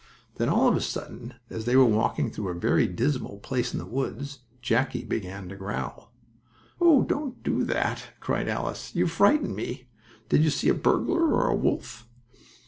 Then, all of a sudden, as they were walking through a very dismal place in the woods, Jackie began to growl. "Oh, don't do that!" cried Alice, "you frighten me! Did you see a burglar or a wolf?"